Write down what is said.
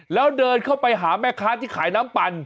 แล้วเดินเข้าไปหาแม่ค้าที่ขายน้ำปั่น